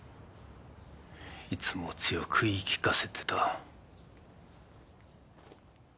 いつも強く言い聞かせてた。